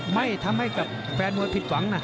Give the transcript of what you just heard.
ไม่ทำให้กับแฟนมวยผิดหวังนะ